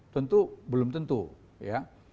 tentu belum tentu ya